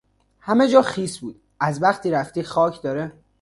همه جا خیس بود. از وقتی رفتی خاک داره